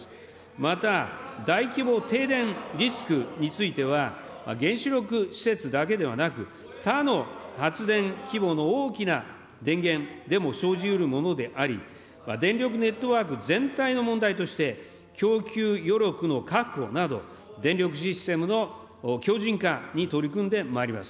また、大規模停電リスクについては、原子力施設だけではなく、他の発電規模の大きな電源でも生じうるものであり、電力ネットワーク全体の問題として、供給余力の確保など、電力システムの強じん化に取り組んでまいります。